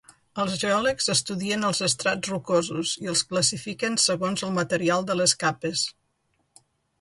Els geòlegs estudien els estrats rocosos i els classifiquen segons el material de les capes.